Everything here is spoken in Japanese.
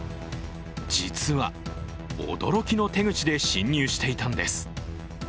実は、驚きの手口で侵入していたんです。